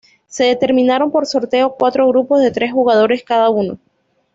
Se determinaron por sorteo cuatro grupos de tres jugadores cada uno.